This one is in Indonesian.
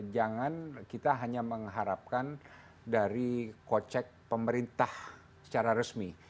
jangan kita hanya mengharapkan dari kocek pemerintah secara resmi